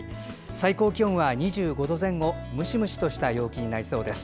最高気温は２５度前後ムシムシとした陽気になりそうです。